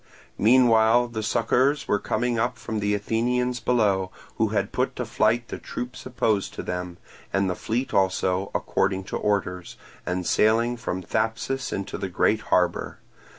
Meanwhile succours were coming up from the Athenians below, who had put to flight the troops opposed to them; and the fleet also, according to orders, was sailing from Thapsus into the great harbour.